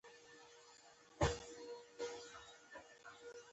کلیزه دولس بیلې بیلې میاشتې لري.